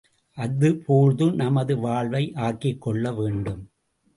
அதேபோழ்து நமது வாழ்வை ஆக்கிக்கொள்ள வேண்டும்.